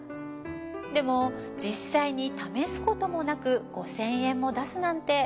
でも実際に試すこともなく５，０００円も出すなんて。